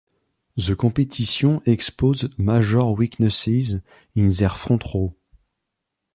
The competition exposed major weaknesses in their front row.